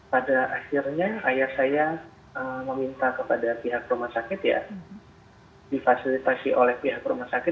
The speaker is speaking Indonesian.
pada akhirnya ayah saya meminta kepada pihak rumah sakit ya difasilitasi oleh pihak rumah sakit